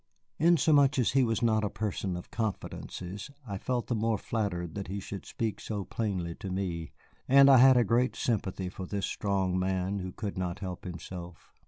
Inasmuch as he was not a person of confidences, I felt the more flattered that he should speak so plainly to me, and I had a great sympathy for this strong man who could not help himself.